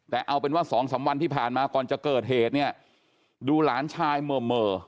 แต่เอาเป็นว่าสองสามวันที่ผ่านมาก่อนจะเกิดเหตุเนี่ยดูหลานชายเมอร์เมอร์